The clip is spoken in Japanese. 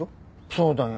そうだよ。